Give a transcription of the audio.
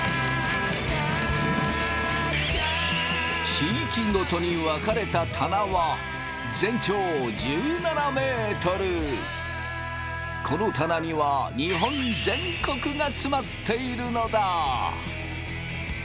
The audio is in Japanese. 地域ごとに分かれた棚はこの棚には日本全国が詰まっているのだ。